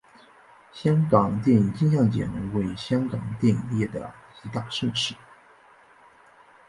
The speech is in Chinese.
香港电影金像奖为香港电影业的一大盛事。